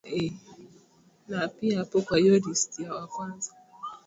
Ikiwa na wilaya za Chake Chake mkoani wete na micheweni